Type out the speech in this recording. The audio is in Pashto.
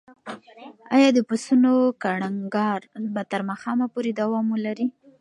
ایا د پسونو کړنګار به تر ماښامه پورې دوام ولري؟